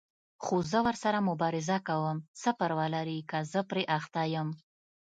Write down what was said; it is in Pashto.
خو زه ورسره مبارزه کوم، څه پروا لري چې زه پرې اخته یم.